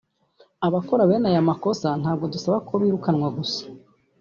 Abakora bene aya makosa ntabwo dusaba ko birukanwa gusa